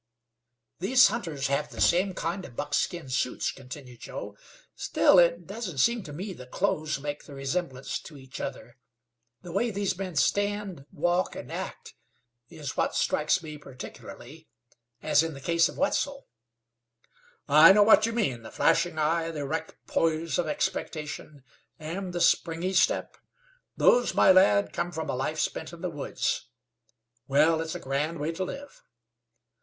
"These hunters have the same kind of buckskin suits," continued Joe; "still, it doesn't seem to me the clothes make the resemblance to each other. The way these men stand, walk and act is what strikes me particularly, as in the case of Wetzel." "I know what you mean. The flashing eye, the erect poise of expectation, and the springy step those, my lad, come from a life spent in the woods. Well, it's a grand way to live."